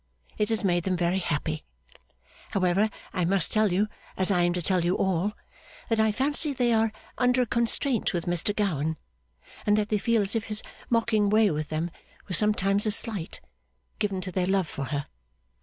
It has made them very happy. However, I must tell you, as I am to tell you all, that I fancy they are under a constraint with Mr Gowan, and that they feel as if his mocking way with them was sometimes a slight given to their love for her.